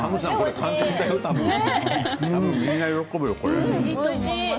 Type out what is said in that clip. みんな喜ぶよ、これ。